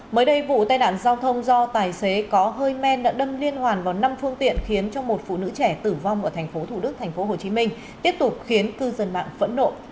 mới đây vụ tai nạn giao thông do tài xế có hơi men đã đâm liên hoàn vào năm phương tiện khiến cho một phụ nữ trẻ tử vong ở tp thủ đức tp hcm tiếp tục khiến cư dân mạng phẫn nộ